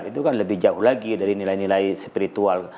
itu kan lebih jauh lagi dari nilai nilai spiritual